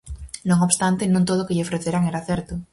Non obstante, non todo o que lle ofreceran era certo.